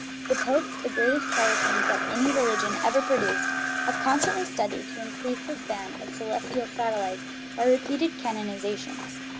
The popes the great est charla'ans that any religion ever produced have constantly studied to increase this band of celestial satellites by repeated canonizations.